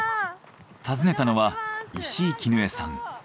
訪ねたのは石井絹江さん。